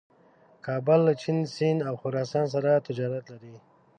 کابل له چین، سیند او خراسان سره تجارت لري.